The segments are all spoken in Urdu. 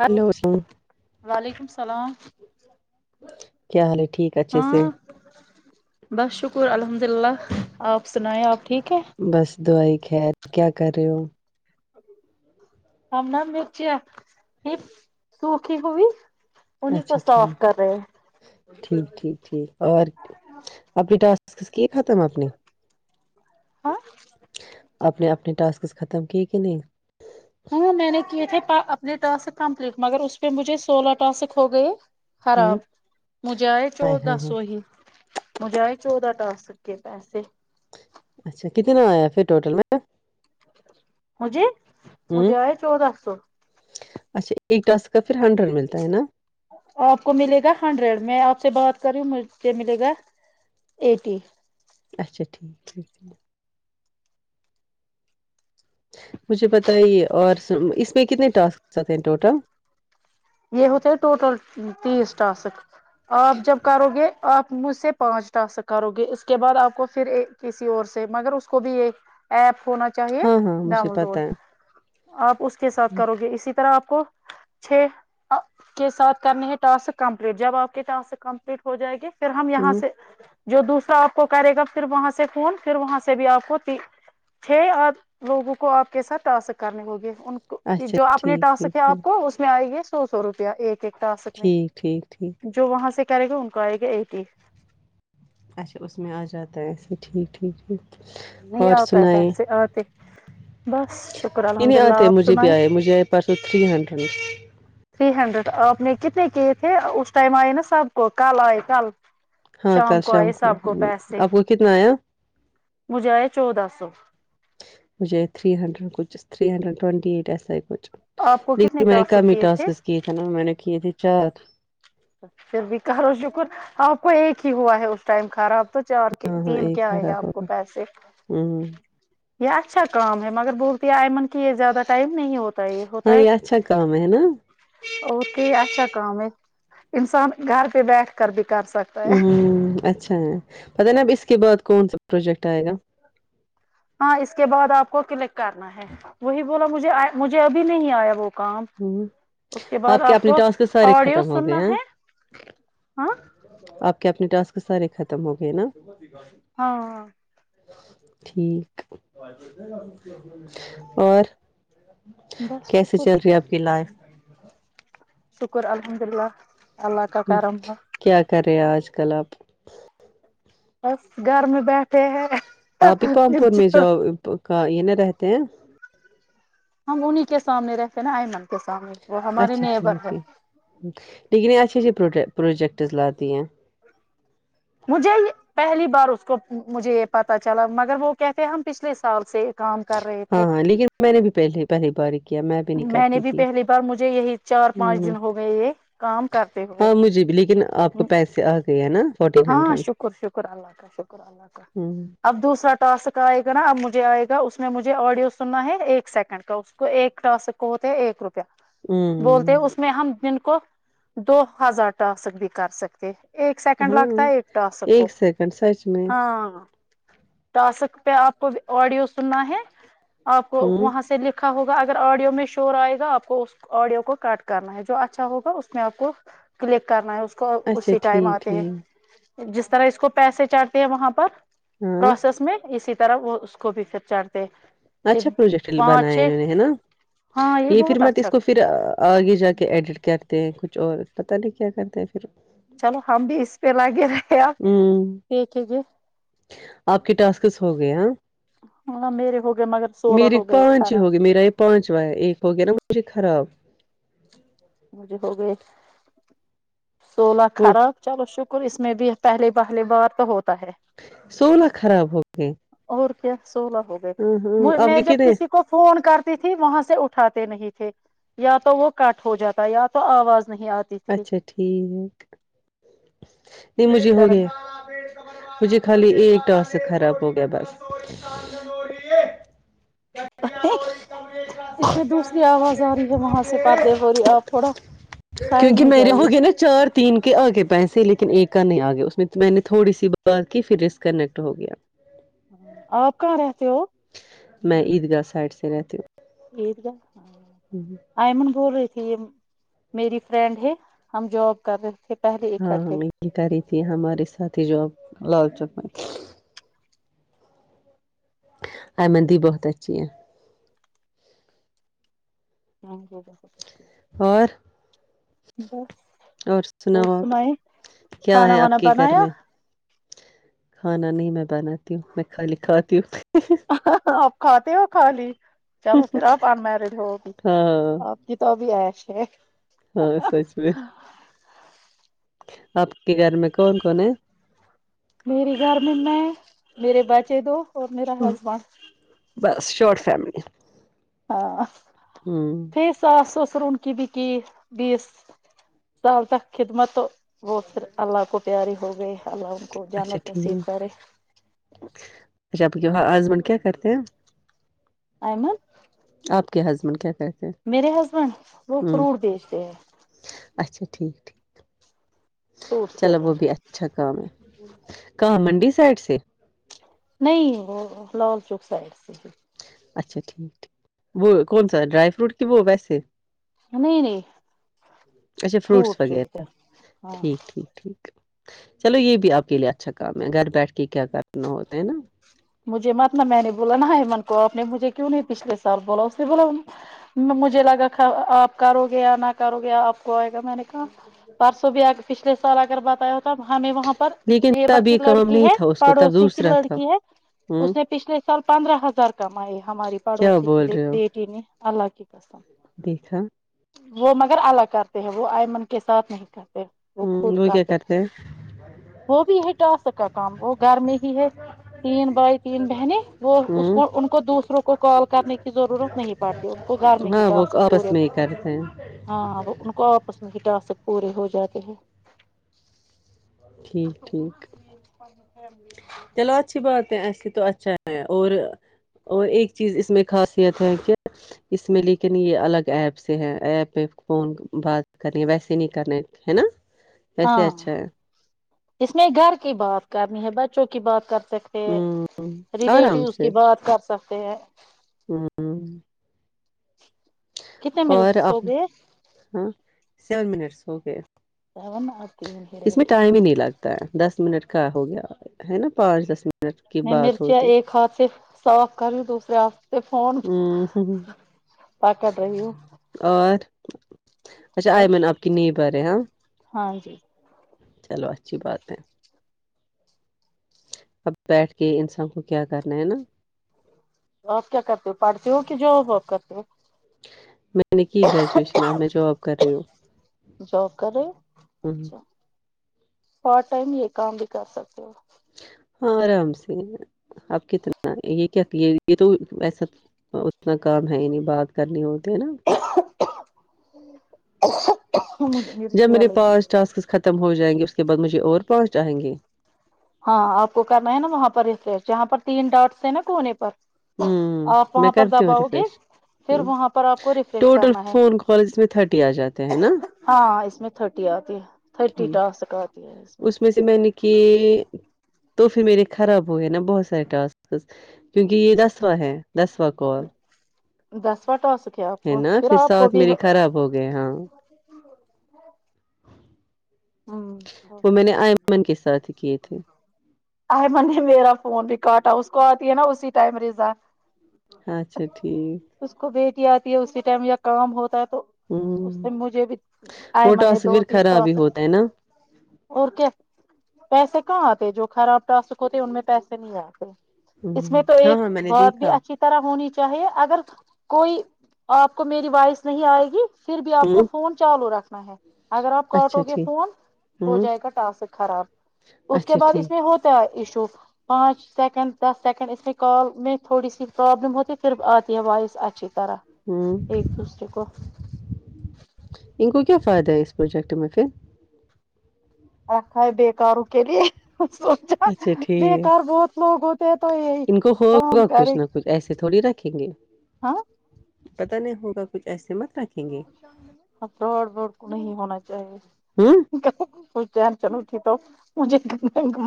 لو ہلو وعلیکم السلام کیا حال ہے ٹھیک اچھے ہاں سے بس شکر الحمد للہ آپ سنایا آپ ٹھیک ہے دوائی خیر کیا کر رہے ہو ہاں م مچیا یہ سوکھی ہوئی انہیں کو اچھا ٹھیک صاف کر رہے ٹھیک ٹھیک ٹھیک اور اپنے ٹاس کیا ختم اپنے ہاں اپنے اپنے ٹاس ختم کی کہ نہیں ہاں میں نے کیے تھے ٹسک کمپلیٹ مگر اس پہ مجھے سولہ ٹاسک ہو گئے ہ خراب مجھے آئے چو ہائے ہائے ہائے دسو ہی مجھے آئے چودہ ٹا سکے پیسے اچھا کتنا آیا پھر ٹوٹل میں مجھے ہ مجھے آئے چودودہ سو اچھا ایک ٹس کا پھر ہنڈریڈ ملتا ہے نا آپ کو ملے گا ہنڈریڈ میں آپ سے بات کر رہی ہوں مجھے ملے گا ایٹی اچھا ٹھیک ٹھیک مجھے بتائیے اور اس میں کتنے ٹاسک آتے ہیں ٹوٹل یہ ہوتا ہے ٹوٹل تیس ٹاسک آپ جب کرو گے آپ مجھ سے پانچ ٹا س کرو گے اس کے بعد آپ کو پھر کسی اور سے مگر اس کو بھی ایک ایپ ہونا چاہیے ہاں ہاں مجھے ڈاؤن پتا لوڈ ہے آپ اس کے ساتھ کرو گے اسی طرح آپ کو چھ پ کے ساتھ کرنے ہے ٹاسک کمپلیٹ جب آپ کے ٹاسک کمپلیٹ ہو جائے گی پھر ہم یہاں ہ سے جو دوسرا آپ کو کرے گا پھر وہاں سے فون پھر وہاں سے بھی آپ کو چھ آ لوگوں کو آپ کے ساتھ ٹاسک کرنے ہووںگے ان کو اچھا جو اپنے ٹھیک ٹھیک ٹاسک ہے ٹھیک آپ کو اس میں آئے گے سو سو روپیہ ایک دتا آ سکتے ٹھیک ٹھیک ٹھیک جو وہاں سے کرے گا ان کو آئے گا ایٹی ہی اچا اس میں آ جاتا ہے ایسے ٹھیکٹیک نہیں اور آتا ہے سنئے پیسے آتے بس شکر نہیں الحمد نہیں للہ آتے آپ مجھے بھی سنائی آئے مجھے آئے پرسو تھری ہنڈریڈ تھری ہنڈریڈ آپ نے کتنے کیے تھے اس ٹائم آئے نا سب کو کل آئے کل ہاں کل شام کو آپ کو کتنا آیا مجھے آئے چودہ سو مجھے تھری ہنڈریڈ کچھ تھری ہنڈریڈ ٹونٹی ایٹ ایس کو آپ کو کتنے دیکھیے میں نے ٹاسک کای کیے ٹسک کیے تھے نا میں نے کیے تھے چار پھر بھی کارو شکر آپ ایک ہی ہوا ہے اس ٹائم کراب تو چار کے ہاں ہاں تین ایک کیا آئے ہیں خراب ہو آپ کو گیا پیسے ہوں یہ اچھا کام ہے مگر بہ ایمن کی زیادہ ائم نہیں ہوتا یہ ہوتا ہاں ہے اچھا کام ہے نا اور کیا اچھا کام ہے انسان گھر پہ بیٹھ کر دکھ ہوں اچھا پت نا اب اس کے بعد کون سا پروجیکٹ آئے گا ہاں اس کے بعد آپ کو کلک کرنا ہے وہی بولا مجھے مجھے ابھی نہیں آیا وہ کام ہوں اس کے بعد آپ اپنے کو ٹاسک سارے آڈیو ختم ہو گئے سننا ہیں ہے ہاں کہ اپنے ٹاسک سارے ختم ہو گئے نا ہاں ہاں ٹھیک اور بس کیسے شکر چل رہی ہے آپ کی لائف شکر الحمد للہ اللہ کا ہ کرم ہے کیا کرے آج کل کلب بس گھر میں بیٹھے ہیں آپ ہی پام پور میں جاؤ ہم کا یہ ن رہتے ہیں ہم انہیں کے سامنے رہتے نا ایئمن کے سامنے وہ ہمارے اچھا نیبر ٹھیک ہے ٹھیک لیکن یہ اچھے اچھے پرو پروجیکٹس لاات ہیں مجھے پہلی بار اس کو مجھے یہ پتا چلا مگر وہ کہتے ہم پچھلے سال سے کام کر رہے ہاں تھے ہاں لیکن میں نے بھی پہل پہلی بار کیا بھی نہیں میں نے کرتی بھی تھی پہلی بار مجھے یہی چار پانچ ہ دن ہو گئے یہ کام کرتے ہوئے ہاں مجھے بھی لیکن آپ کو ہ پیسے آ گئے ہیں نا فورٹین ہاں ہنڈریڈ شکر شکر اللہ کا شکر اللہ کا ہ اب دوسرا ٹاسک آئے گا نا اب مجھے آئے گا اس میں مجھے آڈیو سننا ہے ایک سیکنڈ کا اس کو ایک کراسک ہو ہے ایک روپے بولتے ہیں ہ اس میں ہم جن کو دو ہزار ٹاسک بھی کر سکتے ایک سیکنڈ لگتا ہاں ہے ایک تو آ سکو ایک سیکنڈ سچ میں ہاں تاسک پہ آپ کو آڈیو سننا ہے آپ کو ہوں وہاں سے لکھ ہوگا آڈیو میں شور آئے گا آپ کو آڈیو کو کٹ کرنا ہے جو اچھا ہوگا اس میں آپ کو کلک کرنا ہے اس کو اچھا اسی ٹائم ٹھیک آتے ٹھیک ہیں جس طرح اس کو پیسے چڑھتے ہیں وہاں پر ہاں پروسیس میں اسی طرح وہ اس کو بھی پھر چڑتے اچھا پروجیکٹ بنایا انہوں نے ہے نا ہاں یہ پھر بہت میںت اس اچھا کو پھر آگے جا کے ایڈٹ کیا کچھ اور پتا نہیں کیا کرتے پھر چلو ہم بھی اس پہ لگے رہ ہ ایک جی [unintelligible] آپ کے ٹاسکس ہو گئے ہاں میرے ہو گئے مگر سولہ میری ہو گئے پانچ ہو گی خراب میرا یہ پانچواں ہے ایک ہو گیا نا سیر خراب مجھے ہو گئے سولہ وہ خراب چلو شکہ اور اس میں بھی پہلے پہلے بار توہت سونا خراب ہو گئے اچ [inaudible] سولہ ہو گئے ہاں ہاں آپ میں کے جب کتنے کسی کو فون کرتی تھی وہاں سے اٹھاتے نہیں تھے یا تو وہ کاٹ ہو جاتا یا تو آواز نہیں آتی تھی اچھا ٹھیک نہیں مجھے اسی ہو طرح گیا میں مجھے خالی ایکٹاس سے خراب ہو گیا بس اس میں دوسری آواز آ رہی ہے وہاں سے پرارد ہو رہی آپ تھوڑا سائڈ کیونکہ میں میرے یہاں جائیے ہو گئے نا چار تین کے آگے پہ پیسے لیکن ایک کا نہیں آ گیا اس میں تو میں نے تھوڑی سی بات کی پھر رسکنیکٹ ہو گیا ہ آپ کہاں رہتے میں عید گاہ سائڈ سے رہتی ہوں یہید گا [unintelligible] آئی م بول رہے تھ [unintelligible] ت میری فرنڈ ہے ہم ہم جاب کر رہے تھے پہلے ہاں اکٹھے یہ کر رہی تھی ہمارے ساتھی جو اب لال چک میں [unintelligible] آر مندی بہت اچھی ہے ہاں جی [unintelligible] اور بس اور سناؤ آپ سناائ کیا کھا ہے آپ ونا کے گھر بنایا میں کھانا نہیں میں بناتی ہوں میں کھالی کھاتی ہوں [unintelligible] آپ کھاتے ہو کالی چلو پھر آپ ان میرڈ ہوگی ہاں آپ کی تو ابھی ہے [unintelligible] چ [unintelligible] ہاں سچ بھی [unintelligible] [inaudible] آپ [unintelligible] کے گھر میں کون کون ہے میرے گھر میں میں میرے بچے دو اور میرا ہسبینڈ [unintelligible] بس شورٹ فیملی [unintelligible] ہاں ہمم پھر ساس [unintelligible] ر ان کی بھی کی بیس سال تک خدمت [unintelligible] وہ پھر اللہ کو پیارے ہو گئے اللہ ان کو اچھا جانت نصیب ٹھیک کرے اچھا آپ ہسبینڈ کیا کرتے ہیں [unintelligible] ایم [unintelligible] آپ کے ہسبینڈ کیا کرتے ہیں میرے ہسبینڈ وہ ہمم فروٹ بیچتے ہیں اچھا ٹھیک ٹھیک فروٹ [unintelligible] چلو وہ سیلر بھی اچھا کام ہے کہاں منڈی سائڈ سے نہیں وہ لال چوک سائڈ ا [unintelligible] اچھا ٹھیک ٹھیک وہ کون سا ڈرائی فروٹ کہ وہ ویسے نہیں نہیں اچھا فروٹس فروٹ جو ہوتے وغیرہ ہیں، ہاں ٹھیک ٹھیک ٹھیک [unintelligible] چلو یہ بھی آپ کے لیے اچھا کام ہے گھر بیٹھ کے کیا کرنا ہوتا ہے نا مجھے مت ن میں نے بولا نا ای من کو آپ نے مجھے کیوں نہیں پچھلے سال بولا اس سے بولا مجھے لگا آپ کو گیا نہ کو گیا آپ کو آئے گا ا میں نے کہا پرسو بیا کے پچھلے سال اگر بتایا ہو تب ہمیں وہاں لیکن لیبر تب کی یہ کام لڑکی نہیں ہے تھا اس کو تب پڑوسی کی دوسرا تھا لڑکی ہے ہوں اس نے پچھلے سال پندرہ ہزار کمائے ہماری کیا پڑوسی بول کی رہے ہو بیٹی نے اللہ کی قسم دیکھا وہ مگر الگ کرتے ہیں وہ ایئمن کے ساتھ نہیں کرتے وہ خود ہوں کیا کرتے تھ ہیں وہ بھی ہے ٹا سکا کام وہ گھر میں ہی ہے تین ت بہنیں وہ ہوں ان کو دوسروں کو کال کرنے کی ضرورت نہیں پڑتی ان کو گھر میں ہی ہاں وہ ٹاسک آپس پورے میں ہی کرتے ہیں ہاں وہ ان کو آپس میں ہی ٹاسک سب پورے ہو جا کے ہیں ٹھیک ٹھیک چلو اچھی باتیں اس تو اچھا ہے اور اور ایک چیز اس میں خاصیت ہے کہ اس میں لیکن یہ الگ ایپس ہے ایپ میں فون بات کرنی ویسے نہیں کرنے ہے نا ویسے اچھا ہے ج میں گھر کی بات کرنی ہے بچوں کی بات کر سکتے ہیں ہوں آرام ریلیٹیو اس سے کی بات کر سکتے ہیں ہوں کتنے اور مرچ ہو اپنا گئے ہاں سیون منٹس اوکے س ن آتی ہییر کو ہی نہیں لگتا ہے دس منٹ کا ہو گیا ہے نا پانچ دس منٹ کی میں بات مرچیاں ہوتی ایک ہاتھ سے صاف کر رہی ہ دوسرے ہاتھ سے فون ہ ہ پکڑ رہی اور [unintelligible] اچھا ہوں آئمن آپ کی نیب بر ہاں ہاں جی چلو اچھی بات ہے اب بیٹھ کے انسان کو کیا کرنا ہے نا اورک کرتی پڑتی ہوک کہ جوبوکتی میں نے کی گریجویشن آ میں جاب کر رہی ہوں جاب کر رہے ہو، اچھا پارٹ ٹائم یہ کام بھی کر سکتے ہو ہاں آرام سے آپ کتنا یہ کیا یہ یہ تو ایسا اتنا کام ہے نہیں بات کرنی ہو بھی مجھے جب مرچیاں میرے لگی پاس ٹاسک ختم ہو جائے جائیں گے اس کے بعد مجھے اور پہنچ جائیں گے ہاں آپ کو کرنا ہے نا وہاں پر ر جہاں پر تین ڈاٹس ہیں نا کونے پر ہ آپ میں وہاں پر کرتی ہوں دباؤ گے ریفریش پھر وہاں پر آپ کو ہ ریفریش وٹل کرنا ہے فون کالج میں تھرٹی آ جاتے ہیں نا ہاں اس میں تھرٹی آتی ہے تھرٹی ٹھیک ٹاسک آتی اس میں سے میں نے کی تو پھر میرے خراب ہو گئے نا بہت سارے ٹاسک کیونکہ یہ دسواں ہیں دس و کال دسواٹوا سک ہے نا پھر ساتھ میرے خراب ہو گئے ہاں وہ میں نے آئمن کے ساتھ ہی کیے تھے ا منی میرا فون بھی کاٹا کو آتی ہے نا اسی ٹائم رزا اچھا ٹھیک اس کو بیٹیا اسی ٹائم یا کام ہوتا ہے تو ہ اس سے مجھے بھی آئے وہ من نے دو توصویر تین خراب ہی ٹاسک ہوتا ہے نا اور کیا پیسے کہاں آتے جو خراب ٹاسک ہوتے ان میں پیسے نہیں آتے اس ہوں میں تو ہاں ایک ہاں میں نے بہت بھی دیکھا اچھی طرح ہونی چاہ چاہے اگر کوئی آپ کو میری وائس نہیں آئے گی پھر بھی آپ کو ہوں فون چالو رکھ ہاں [unintelligible] اگر آپ کا اچھا آٹو کے ف ٹھیک ہو ہوں جائے گا ٹاسک خراب اس کے اچھا بعد ٹھیک اس میں ہوتاش پانچ سیکنڈ دس سیکنڈ اس میں کال میں تھوڑی سی پرابلم ہوتی ہے پھر آتی ہے وائس اچھی طرح ہوں ایک دوسرے کو ان کو کیا فائدہ ہے اس پروجیکٹ میں پھر رکھ ہے بیکاروں کے لیے سوچا اچھا ٹھیک بےیکار بہت لوگ ہوتے ہیں تو یہی ان کو کام ہوگا کرے کچھ نہ گ کچھ ایسے ہاں پتا نہیں ہوگا کچھ ایسے مت رکھیں گے فراڈ بروڈ کو نہیں ہونا چاہیے ہوں کو چین تو مجھے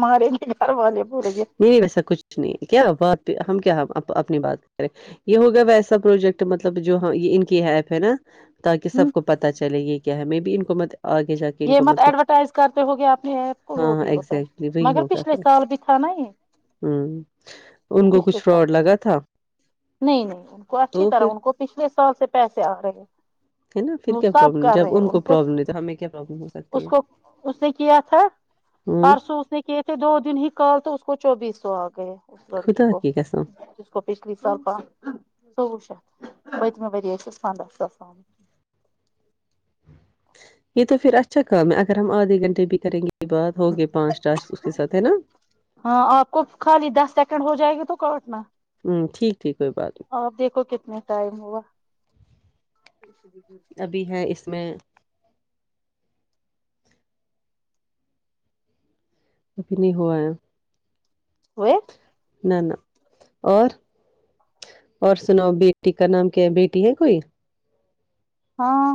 مارے گے گھر والے بولیں گے نہیں نہیں ویسا کچھ نہیں کیا بات پ ہم کیا اپنی بات کریں یہ ہوگا ویسا پروجیکٹ مطلب جو ان کی ایپ ہے نا تاکہ ہوں سب کو پتا چلے یہ کیا ہے میں بھی ا ان کو مت آگے جا کے ان یہ کو مت کچھ ایڈورٹائز کرتے ہو گے اپنے ایپ کو وہ ہاں بھی ہوتا ہے ایگزیکٹلی مگر پچھلے سال بھی تھا نا یہ ہ یہ ان کو پچھلے کچھ سال فراڈ لگا تھا نہیں نہیں ان کو اچھی تو پھر طرح ان کو پچھلے سال سے پیسے آ رہے ہیں ہے نا پھر وہ کیا سب پرابلم کر رہے جب ہیں ان کو پرابلم ہے تو ہمیں کیا پرابلم ہو اس سکتی ہے کو اس نے کیا تھا ہوں پرسوں اس نے کیے تھے دو دن ہی کال تو اس کو چوبیس سو آ گئے اس لڑکی خدا کو کی قسم جس کو پچھلی سال کا چوہ ش پتم ٮری حس پندہ ساس یہ تو پھر اچھا کام ہے اگر ہم آدھے گھنٹے بھی کریں گے کے بعات ہوگے پانچٹا اس کے ساتھ ہے نا ہاں آپ کو خالی دس سیکنڈ ہو جائے گی تو کوٹنا ہوں ٹھیک ٹھیک کوئی بات نہیں آپ دیکھو کتنے ٹائم ہوا ابھی ہیں اس میں ابھی نہیں ہوا ہے ہوئے نہ ن اور اور سناؤ بیٹی کا نام کیا ہے بیٹی ہے کوئی ہاں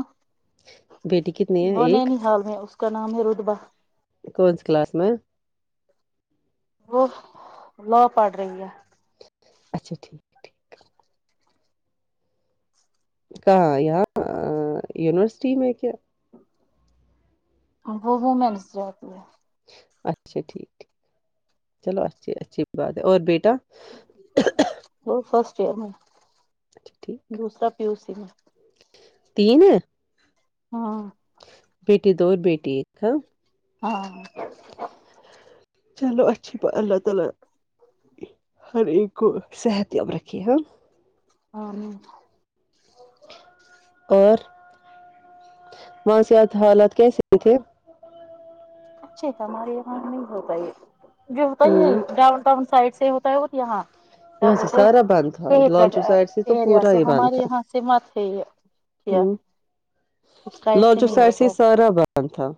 بیٹی کتنی ہے وہ ایک نینیحال میں اس کا نام ہے روتبا کوچ کلاس میں وہ لو پڑ رہی ہے اچھا ٹھیک ٹھیک کہاں یہاں یونیورسٹی میں کیا وہ وومینس جتی ہے اچھا ٹھیکھیک چلو اچھی اچھی بات ہے اور بیٹا ج میں اچھا ٹھیک دوسرا پیوس س میں تین ہے ہاں بیٹی دو اور بیٹی ایک ہ ہاں چلو اچھی اللہ تعالی ہر ایک کو صحت یاب رکھھی ہاں ہ اور وہاں سے حالات کیسے تھے اچھے تو ہماریے یہاں نہیں ہو گئی جوتا ہی ہوں ڈاؤن اؤن سائڈ سے ہوتا ہے وہ یہاں کیا یہاں جی بولتے سارا بند تھا شہید لال گنج چوک سائڈ سے تو ایریا پورا سے ہی بند ہمارے تھا یہاں سے مت ہے یہ ہ کیا اس لال چوک نہیں سائڈ سے ہوتا ہی ہے سارا بند تھا